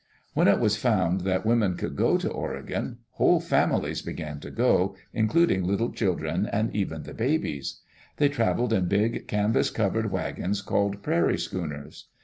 When it was found tfiat women could go to Oregon, whole families began to go, including little children and even the babies. They traveled in big, canvas covered wagons called prairie schooners.